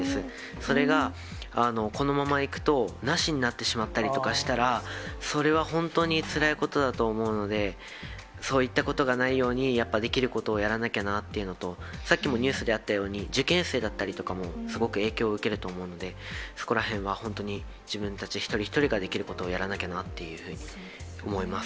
それが、このままいくと、なしになってしまったりしたら、それは本当につらいことだと思うので、そういったことがないようにやっぱできることをやらなきゃなっていうことと、さっきもニュースであったように、受験生だったりとかもすごく影響受けると思うので、そこらへんは本当に、自分たち一人一人ができることをやらなきゃなっていうふうに思います。